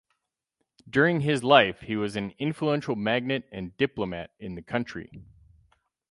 During his life he was an influential magnate and diplomat in the country.